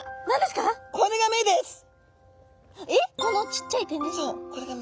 えっこのちっちゃい点ですか？